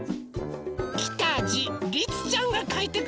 きたぢりつちゃんがかいてくれました。